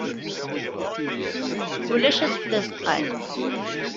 Ulac adfel azeqqal.